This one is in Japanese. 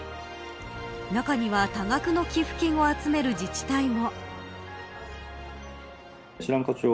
中には多額の寄付金を集める自治体も。